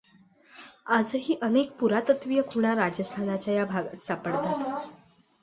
आजही अनेक पुरातत्त्वीय खुणा राजस्थानच्या या भागात सापडतात.